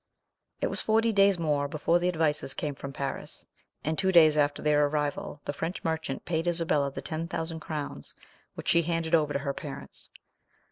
It was forty days more before the advices came from Paris, and two days after their arrival the French merchant paid Isabella the ten thousand crowns, which she handed over to her parents.